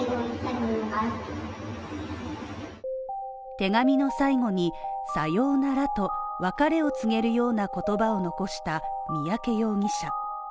手紙の最後にさようならと別れを告げるような言葉を残した三宅容疑者。